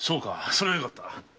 それはよかった。